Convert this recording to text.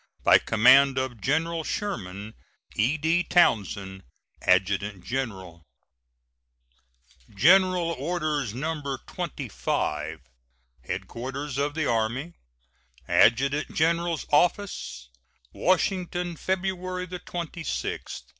By command of General Sherman: E.D. TOWNSEND, Adjutant General. GENERAL ORDERS, No. 25. HEADQUARTERS OF THE ARMY, ADJUTANT GENERAL'S OFFICE, Washington, February 26, 1870.